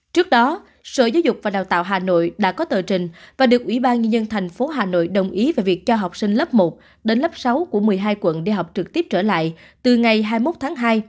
trước đó sở giáo dục và đào tạo hà nội đã có tờ trình và được ủy ban nhân dân thành phố hà nội đồng ý về việc cho học sinh lớp một đến lớp sáu của một mươi hai quận đi học trực tiếp trở lại từ ngày hai mươi một tháng hai